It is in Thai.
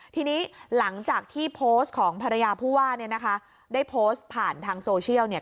ทีนี้หลังจากที่โพสต์ของภรรยาผู้ว่าเนี่ยนะคะได้โพสต์ผ่านทางโซเชียลเนี่ย